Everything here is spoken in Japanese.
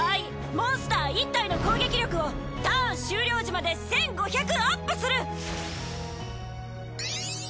モンスター１体の攻撃力をターン終了時まで１５００アップする！